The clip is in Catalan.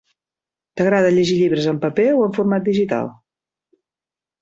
T'agrada llegir llibres en paper o en format digital?